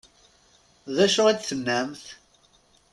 D acu i d-tennamt?